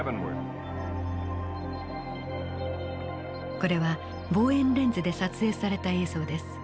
これは望遠レンズで撮影された映像です。